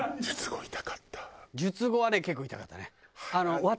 術後はね結構痛かったね。